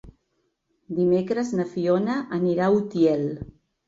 Dimecres na Fiona anirà a Utiel.